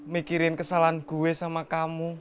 mikirin kesalahan gue sama kamu